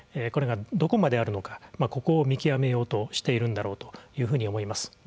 これがどこまであるのかここを見極めようとしているんだろうというふうに思います。